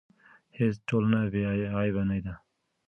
هیڅ ټولنه بې عیبه نه ده.